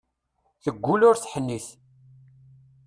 Teggull ur teḥnit.